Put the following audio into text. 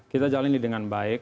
kita jalani dengan baik